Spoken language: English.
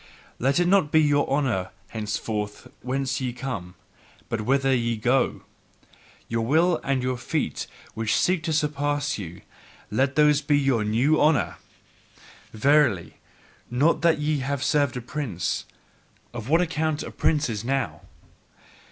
Let it not be your honour henceforth whence ye come, but whither ye go! Your Will and your feet which seek to surpass you let these be your new honour! Verily, not that ye have served a prince of what account are princes now!